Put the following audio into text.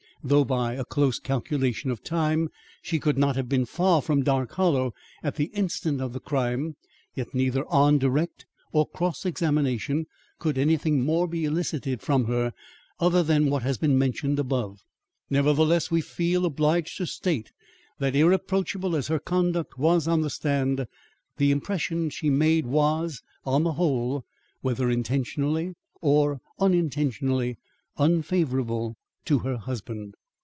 Though by a close calculation of time she could not have been far from Dark Hollow at the instant of the crime, yet neither on direct or cross examination could anything more be elicited from her than what has been mentioned above. Nevertheless, we feel obliged to state that, irreproachable as her conduct was on the stand, the impression she made was, on the whole, whether intentionally or unintentionally, unfavourable to her husband.